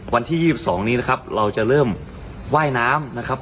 วันที่๒๒นี้นะครับเราจะเริ่มว่ายน้ำนะครับ